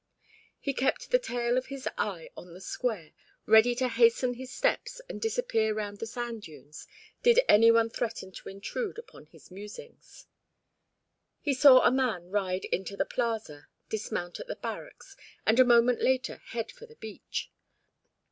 He kept the tail of his eye on the square, ready to hasten his steps and disappear round the sand dunes, did any one threaten to intrude upon his musings. He saw a man ride into the plaza, dismount at the barracks, and a moment later head for the beach.